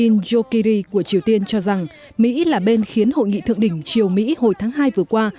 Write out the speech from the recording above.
ông jokiri của triều tiên cho rằng mỹ là bên khiến hội nghị thượng đỉnh triều mỹ hồi tháng hai vừa qua